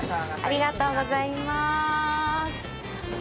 ありがとうございます。